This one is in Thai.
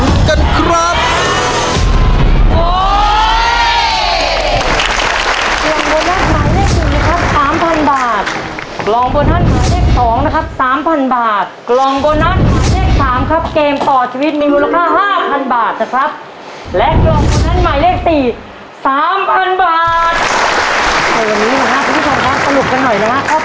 ทุกคนคะสรุปกันหน่อยนะฮะครับ